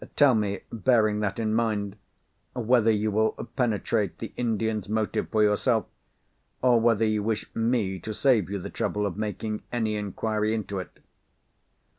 Tell me, bearing that in mind, whether you will penetrate the Indian's motive for yourself? or whether you wish me to save you the trouble of making any inquiry into it?"